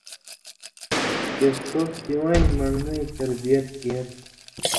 چے سو سِویں من٘ڑنَیں تربیت کېر